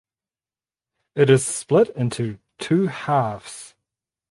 It is split into two halves.